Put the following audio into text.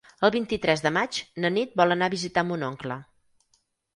El vint-i-tres de maig na Nit vol anar a visitar mon oncle.